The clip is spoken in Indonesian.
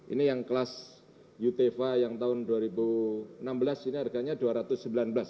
ini yang kelas utefa yang tahun dua ribu enam belas ini harganya rp dua ratus sembilan belas